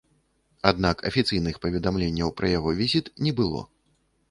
Аднак афіцыйных паведамленняў пра яго візіт не было.